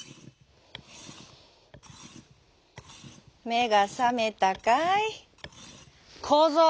「めがさめたかいこぞう」。